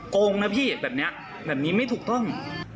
โกงนะพี่แบบนี้แบบนี้ไม่ถูกต้อง